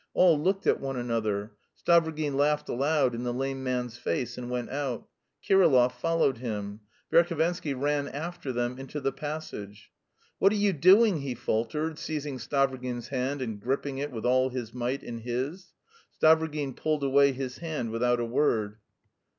All looked at one another. Stavrogin laughed aloud in the lame man's face and went out; Kirillov followed him; Verhovensky ran after them into the passage. "What are you doing?" he faltered, seizing Stavrogin's hand and gripping it with all his might in his. Stavrogin pulled away his hand without a word.